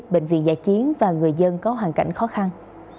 bệnh viện giả chiến và người dân có hoàn cảnh khó khăn